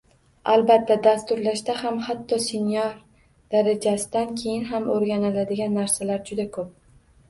Albatta, dasturlashda ham hatto senior darajasidan keyin ham o’rganiladigan narsalar juda ko’p